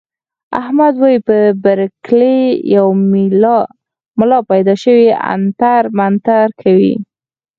احمد وايي په بر کلي کې یو ملا پیدا شوی عنتر منتر کوي.